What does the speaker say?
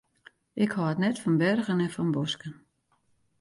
Ik hâld net fan bergen en fan bosken.